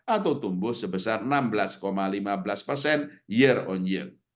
atau tumbuh sebesar enam belas lima belas persen year on year